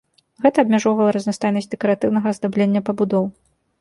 Гэта абмяжоўвала разнастайнасць дэкаратыўнага аздаблення пабудоў.